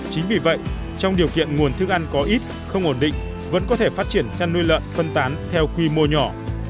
chính vì vậy trong điều kiện nguồn thức ăn có ít không ổn định vẫn có thể phát triển chăn nuôi lợn phân tán theo quy mô nhỏ